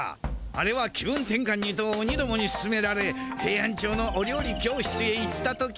あれは気分転かんにとオニどもにすすめられヘイアンチョウのお料理教室へ行った時。